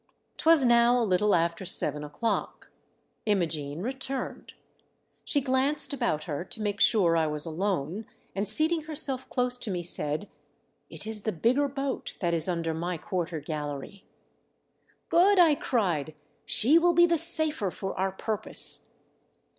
'Twas now a little after seven o'clock. Imogenc returned. She glanced about her to make sure I was alone, and seating herself close to me, said . "It is the bigger boat that is under my quarter gallery." " Good !" I cried. *' She will be the safer for our purpose."